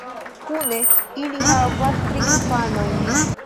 Kune ili havas tri infanojn.